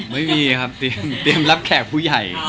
ไม่มีครับเตรียมรับแขกผู้ใหญ่